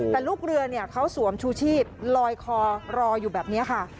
แต่ลูกเรือเขาสวมชูชีพลอยคอรออยู่แบบนี้ค่ะ